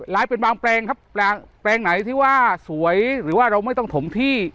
เป็นบางแปลงครับแปลงไหนที่ว่าสวยหรือว่าเราไม่ต้องถมที่